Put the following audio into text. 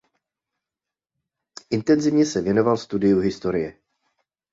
Intenzivně se věnoval studiu historie.